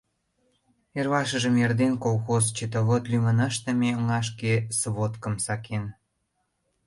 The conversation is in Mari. Эрлашыжым эрден колхоз счетовод лӱмын ыштыме оҥашке сводкым сакен: